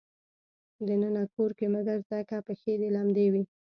د ننه کور کې مه ګرځه که پښې دې لمدې وي.